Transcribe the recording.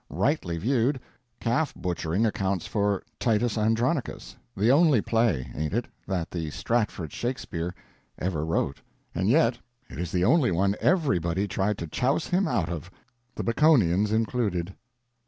Rightly viewed, calf butchering accounts for "Titus Andronicus," the only play—ain't it?—that the Stratford Shakespeare ever wrote; and yet it is the only one everybody tried to chouse him out of, the Baconians included.